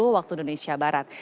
waktu indonesia barat